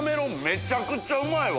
めちゃくちゃうまいわ。